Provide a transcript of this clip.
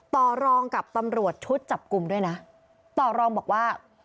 ต่อรองกับตำรวจชุดจับกลุ่มด้วยนะต่อรองบอกว่า